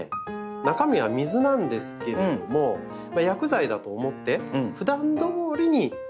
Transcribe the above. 中身は水なんですけれども薬剤だと思ってふだんどおりに散布していただきたいんですよ。